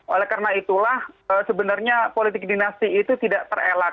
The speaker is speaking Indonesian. oleh karena itulah sebenarnya politik dinasti itu tidak terelak